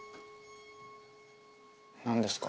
何ですか？